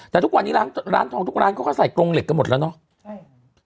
แต่ทุกวันนี้ร้านทองทุกร้านเขาก็ใส่กรงเหล็กกันหมดแล้วเนอะใช่